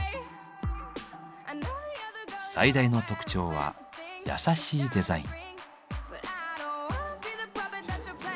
最大の特徴は優しいデザイン。